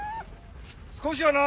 少しはな！